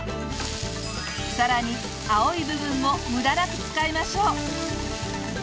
さらに青い部分も無駄なく使いましょう。